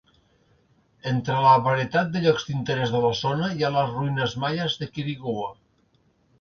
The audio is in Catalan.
Entre la varietat de llocs d'interès de la zona hi ha les ruïnes maies de Quirigua.